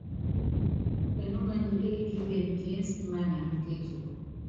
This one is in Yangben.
Pɛnúmɛndú ékíndene piénsi pímanyam kéfúku.